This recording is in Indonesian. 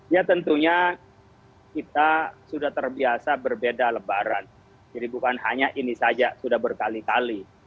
ya tentunya kita sudah terbiasa berbeda lebaran jadi bukan hanya ini saja sudah berkali kali